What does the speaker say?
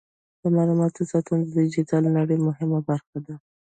د معلوماتو ساتنه د ډیجیټل نړۍ مهمه برخه ده.